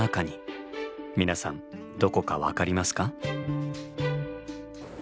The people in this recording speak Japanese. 皆さんどこか分かりますか？